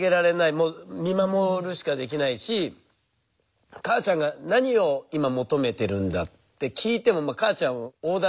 もう見守るしかできないし母ちゃんが何を今求めてるんだって聞いても母ちゃんオーダーをしてくるわけではないんで。